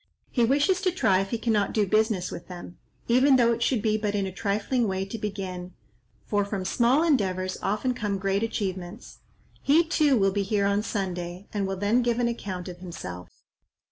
He wishes to try if he cannot do business with them, even though it should be but in a trifling way to begin; for from small endeavours often come great achievements. He, too, will be here on Sunday, and will then give an account of himself."